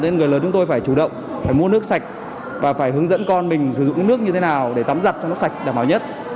nên người lớn chúng tôi phải chủ động phải mua nước sạch và phải hướng dẫn con mình sử dụng nước như thế nào để tắm giặt cho nó sạch đảm bảo nhất